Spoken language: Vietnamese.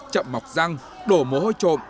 chậm mọc răng đổ mồ hôi trộm